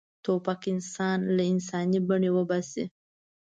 توپک انسان له انساني بڼې وباسي.